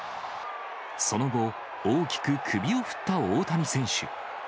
その後、大きく首を振った大谷選手。